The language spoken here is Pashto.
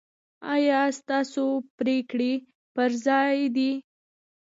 ایا ستاسو پریکړې پر ځای دي؟